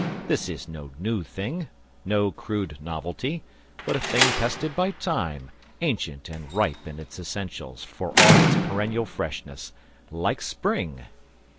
This is no new thing, no crude novelty; but a thing tested by time, ancient and ripe in its essentials for all its perennial freshness like spring.